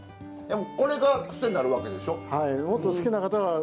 これが癖になるわけでしょ。